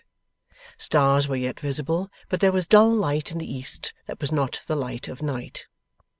Stars were yet visible, but there was dull light in the east that was not the light of night.